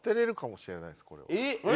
えっ！